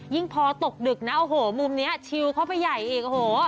พอตกดึกนะโอ้โหมุมนี้ชิลเข้าไปใหญ่อีกโอ้โห